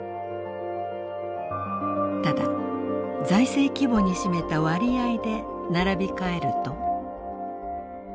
ただ財政規模に占めた割合で並び替えると。